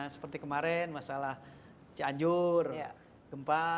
seperti kemarin masalah cianjur gempa